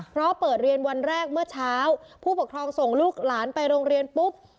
เพราะเปิดเรียนวันแรกเมื่อเช้าผู้ปกครองส่งลูกหลานไปโรงเรียนปุ๊บ